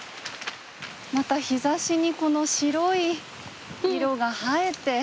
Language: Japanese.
また日ざしにこの白い色が映えて。